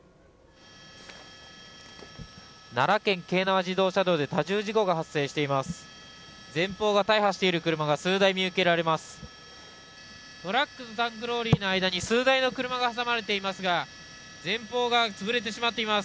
奈良県京奈和自動車道で多重事故が発生しています。